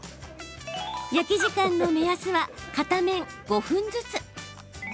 焼き時間の目安は、片面５分ずつ。